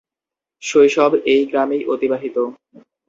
শৈশব এই গ্রামেই অতিবাহিত।